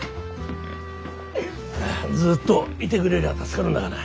ずっといてくれりゃ助かるんだがな。